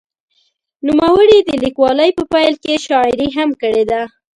نوموړي د لیکوالۍ په پیل کې شاعري هم کړې ده.